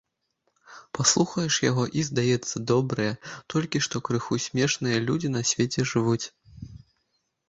Паслухаеш яго, і здаецца, добрыя, толькі што крыху смешныя людзі на свеце жывуць.